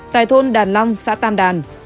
tại thôn đàn long xã tam đàn